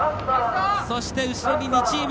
そして、後ろに２チーム。